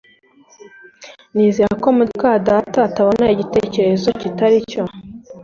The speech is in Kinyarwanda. Nizere ko muka data atabona igitekerezo kitari cyo